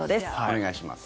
お願いします。